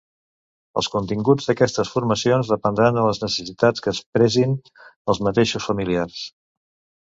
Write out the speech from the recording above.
Els continguts d'aquestes formacions dependran de les necessitats que expressin els mateixos familiars.